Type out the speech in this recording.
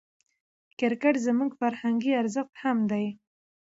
کرکټ زموږ فرهنګي ارزښت هم دئ.